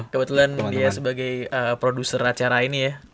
kebetulan dia sebagai produser acara ini ya